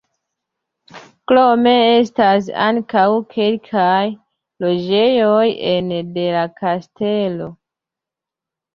Krome estas ankaŭ kelkaj loĝejoj ene de la kastelo.